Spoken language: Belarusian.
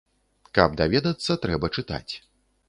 Каб даведацца, трэба чытаць.